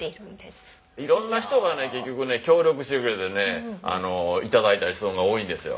色んな人がね結局ね協力してくれてね頂いたりするのが多いんですよ。